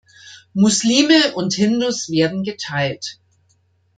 Muslime und Hindus werden geteilt.